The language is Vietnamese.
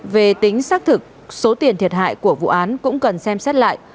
về tính xác thực số tiền thiệt hại của vụ án cũng cần xem xét lại